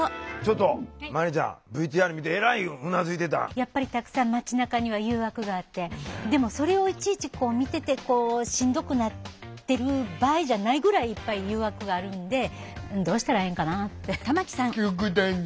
やっぱりたくさん街なかには誘惑があってでもそれをいちいち見ててしんどくなってる場合じゃないぐらいいっぱい誘惑があるんでどうしたらええんかなって。